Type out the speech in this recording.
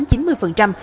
sẽ thu hút đông đảo